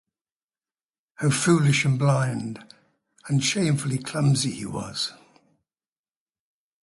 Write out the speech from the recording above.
How foolish and blind and shamefully clumsy he was!